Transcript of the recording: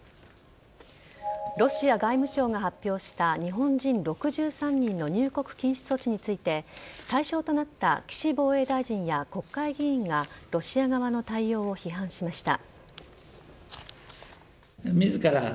ロシア外務省が発表した日本人６３人の入国禁止措置について対象となった岸防衛大臣や国会議員がロシア側の対応を批判しました。